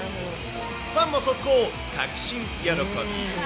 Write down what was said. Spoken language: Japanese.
ファンも速攻、確信喜び。